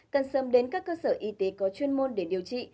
cần sớm đến các cơ sở y tế có chuyên môn để điều trị